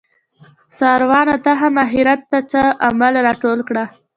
څاروانه ته هم اخیرت ته څه عمل راټول کړه